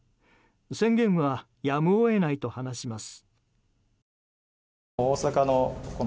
宣言はやむを得ないと話します。